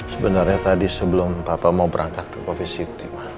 sebenarnya tadi sebelum papa mau berangkat ke kondisi timan